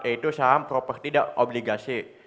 yaitu saham proper tidak obligasi